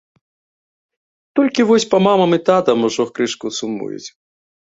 Толькі вось па мамам і татам ужо крышку сумуюць.